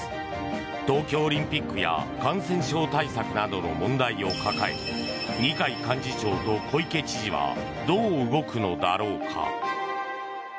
東京オリンピックや感染症対策などの問題を抱え二階幹事長と小池知事はどう動くのだろうか。